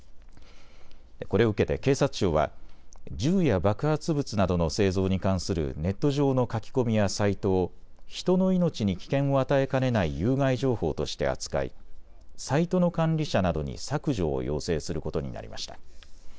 これを受けて警察庁は銃や爆発物などの製造に関するネット上の書き込みやサイトを人の命に危険を与えかねない有害情報として扱いサイトの管理者などに削除を要請することになりました。